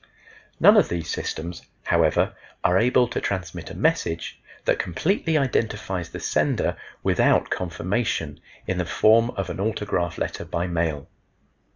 None of these systems, however, are able to transmit a message that completely identifies the sender without confirmation in the form of an autograph letter by mail.